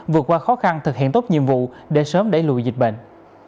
vượt qua khó khăn thực hiện tốt nhiệm vụ để sớm đẩy lùi dịch bệnh